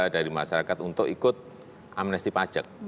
dari masyarakat untuk ikut amnesti pajak